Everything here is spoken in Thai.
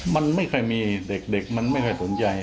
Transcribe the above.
มันไม่ค่อยมีเด็กมันไม่ค่อยสนใจ